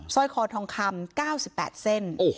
ร้อยคอทองคำ๙๘เส้น